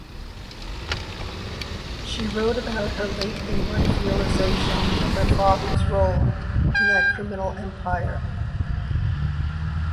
She wrote about her late-in-life realization of her father's role in that criminal empire.